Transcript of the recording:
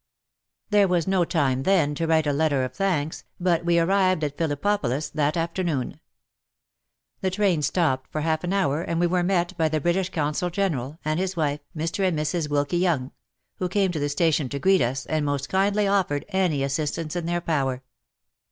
There was no time then to write a letter of thanks, but we arrived at Phillippopolis that afternoon. The train stopped for half an hour and we were met by the British Consul General and his wife (Mr. and Mrs. Wilkie Young), who came to the station to greet us, and most kindly offered any assistance in their power.